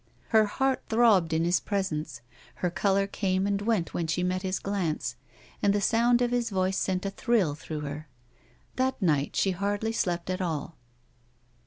Her heart throbbed in his presence, her colour came and went when she met his glance, and the sound of his voice sent a thrill through her. That night she hardly slept at all.